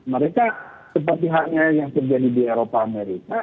mereka seperti halnya yang terjadi di eropa amerika